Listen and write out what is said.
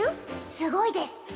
すごいです